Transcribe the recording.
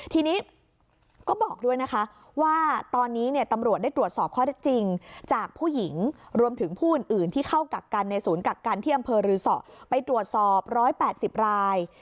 ทีนี้ก็บอกด้วยนะคะว่าตอนนี้ตำรวจได้ตรวจสอบข้อได้จริงจากผู้หญิงรวมถึงผู้อื่นที่เข้ากักกันในศูนย์กักกันที่อำเภอรือสอไปตรวจสอบ๑๘๐ราย